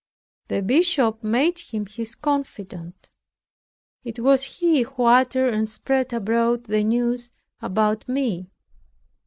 The bishop made him his confidant. It was he who uttered and spread abroad the news about me.